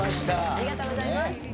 ありがとうございます。